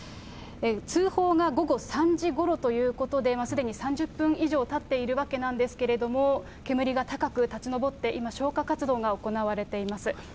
通報が午後３時ごろということで、すでに３０分以上たっているわけなんですけれども、煙が高く立ち上って、今、消火活動が行われています。